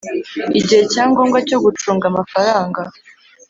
Igihe cya ngombwa cyo gucunga amafaranga